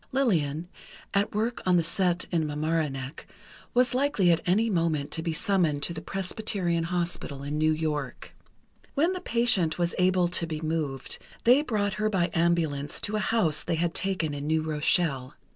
Lillian, at work on the set in Mamaroneck, was likely at any moment to be summoned to the Presbyterian Hospital in New York. When the patient was able to be moved, they brought her by ambulance to a house they had taken in New Rochelle.